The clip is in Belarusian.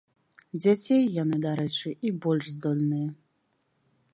Дзяцей, яны, дарэчы, і больш здольныя.